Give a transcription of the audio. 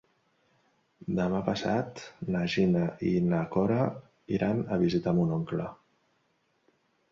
Demà passat na Gina i na Cora iran a visitar mon oncle.